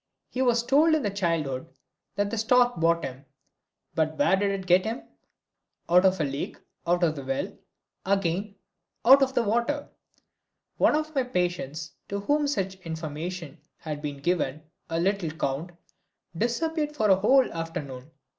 He was told in childhood that the stork brought him but where did it get him? Out of a lake, out of the well again, out of the water. One of my patients to whom such information had been given, a little count, disappeared for a whole afternoon.